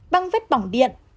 băng vết bỏng điện